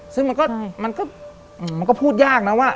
ซึ่งมันก็พูดยากนะว่า